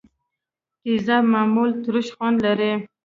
تیزاب معمولا ترش خوند لري.